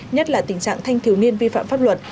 nhất là tình trạng thanh thiếu niên vi phạm pháp luật